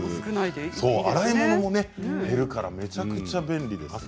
洗い物も減るからめちゃくちゃ便利ですよね。